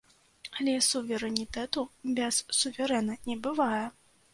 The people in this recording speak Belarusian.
Але суверэнітэту без суверэна не бывае.